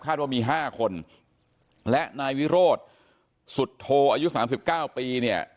คาดว่ามีห้าคนและนายวิโรธสุดโทอายุสามสิบเก้าปีเนี่ย